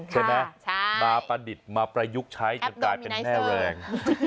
ใช่ไหมมาประดิษฐ์มาประยุกต์ใช้จนกลายเป็นแม่แรง